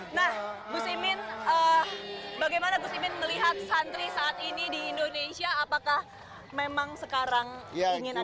nah gus imin bagaimana gus imin melihat santri saat ini di indonesia apakah memang sekarang ingin ada